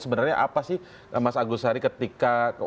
sebenarnya apa sih mas agus hari ketika